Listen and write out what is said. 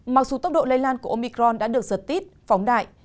mặc dù tốc độ lây lan của omicron đã được giật tít phóng đại